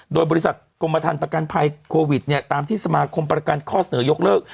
โดยบริษัทกรมทันประกันภัยโควิดเนี่ยตามที่สมาคมประกันข้อเสนอยกเลิก